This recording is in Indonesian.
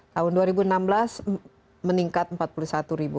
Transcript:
tahun dua ribu enam belas meningkat empat puluh satu ribu